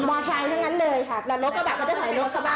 มันก็ไม่ได้ถอยเข้าบ้านอย่างคนเดียว